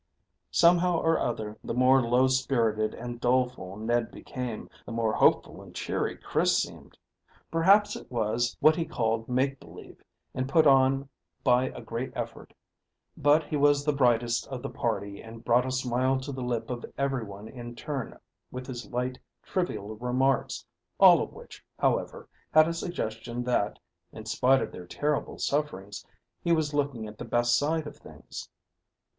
Somehow or other, the more low spirited and doleful Ned became, the more hopeful and cheery Chris seemed. Perhaps it was what he called make believe, and put on by a great effort, but he was the brightest of the party and brought a smile to the lip of every one in turn with his light, trivial remarks, all of which, however, had a suggestion that, in spite of their terrible sufferings, he was looking at the best side of things.